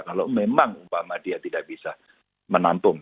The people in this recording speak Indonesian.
kalau memang umpama dia tidak bisa menampung